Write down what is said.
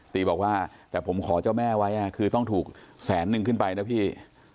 ตีบอกว่าแต่ผมขอเจ้าแม่ไว้คือต้องถูกแสนนึงขึ้นไปนะพี่